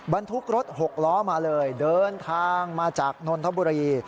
บรรทุกรถหกล้อมาเลยเดินทางมาจากนนทบุรี